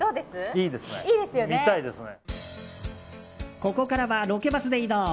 ここからはロケバスで移動。